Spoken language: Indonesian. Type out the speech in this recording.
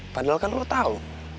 padahal kan lu tau